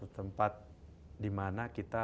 tempat dimana kita